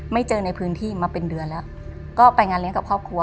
เจอในพื้นที่มาเป็นเดือนแล้วก็ไปงานเลี้ยงกับครอบครัว